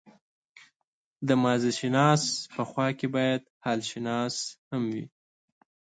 د ماضيشناس په خوا کې بايد حالشناس هم وي.